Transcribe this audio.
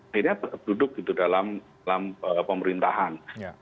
akhirnya tetap duduk dalam pemerintahan